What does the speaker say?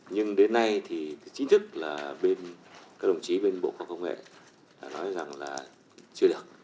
nhưng đến nay thì chính thức là các đồng chí bên bộ khoa công nghệ nói rằng là chưa được